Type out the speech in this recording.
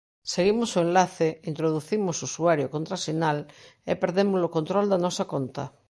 Seguimos o enlace, introducimos usuario e contrasinal e perdemos o control da nosa conta.